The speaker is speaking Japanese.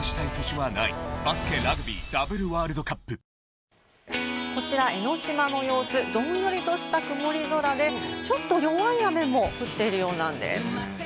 ニトリこちら江の島の様子、どんよりとした曇り空で、ちょっと弱い雨も降っているようなんです。